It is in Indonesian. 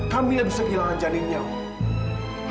kamila bisa kehilangan janinnya om